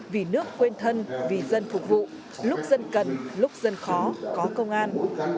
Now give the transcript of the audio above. vì nước quên thân vì dân phục vụ lúc dân cần lúc dân khó có công an